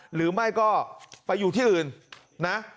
หรือไม่ก็ไปอยู่ที่อื่นนะ